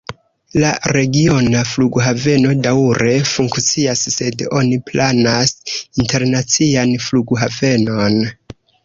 La regiona flughaveno daŭre funkcias, sed oni planas internacian flughavenon.